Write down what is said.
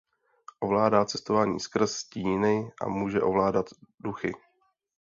Ovládá cestování skrz stíny a může ovládat duchy.